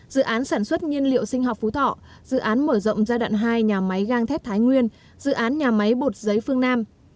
dự án sản xuất nhiên liệu sinh học phú thọ dự án mở rộng giai đoạn hai nhà máy gang thép thái nguyên dự án nhà máy bột giấy phương nam